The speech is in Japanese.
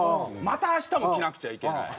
また明日も着なくちゃいけない。